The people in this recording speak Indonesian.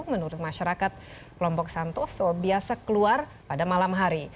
menurut masyarakat kelompok santoso biasa keluar pada malam hari